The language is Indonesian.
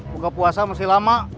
buka puasa masih lama